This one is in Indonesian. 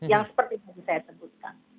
yang seperti tadi saya sebutkan